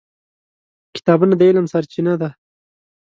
کتابونه د علم سرچینه ده.